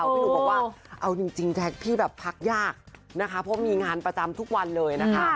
พี่หนุ่มบอกว่าเอาจริงแท็กพี่แบบพักยากนะคะเพราะมีงานประจำทุกวันเลยนะคะ